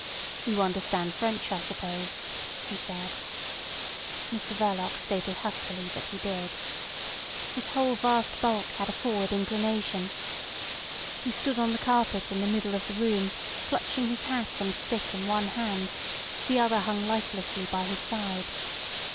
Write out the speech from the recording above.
"You understand French, I suppose?" he said. Mr Verloc stated huskily that he did. His whole vast bulk had a forward inclination. He stood on the carpet in the middle of the room, clutching his hat and stick in one hand; the other hung lifelessly by his side.